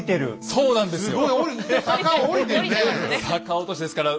そうなんですよ。